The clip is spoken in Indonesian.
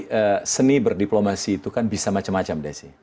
jadi seni berdiplomasi itu kan bisa macam macam desi